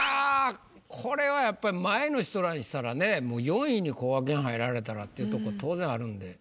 これはやっぱり前の人らにしたらね４位にこがけん入られたらっていうとこ当然あるんで。